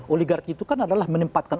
oligarki itu kan adalah menempatkan